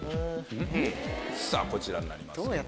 さぁこちらになりますね。